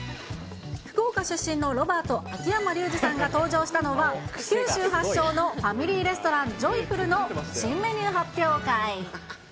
福岡出身のロバート・秋山竜次さんが登場したのは、九州発祥のファミリーレストラン、ジョイフルの新メニュー発表会。